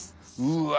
うわ。